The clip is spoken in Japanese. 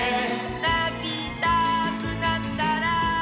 「なきたくなったら」